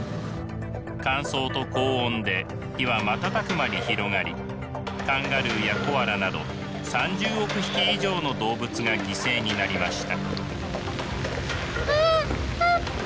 乾燥と高温で火は瞬く間に広がりカンガルーやコアラなど３０億匹以上の動物が犠牲になりました。